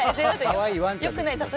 かわいいワンちゃん。